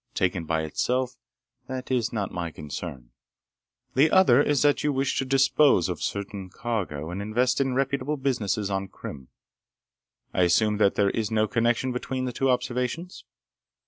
Taken by itself, that is not my concern. The other is that you wish to dispose of certain cargo and invest in reputable businesses on Krim. I assume that there is no connection between the two observations."